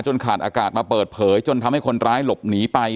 ขาดอากาศมาเปิดเผยจนทำให้คนร้ายหลบหนีไป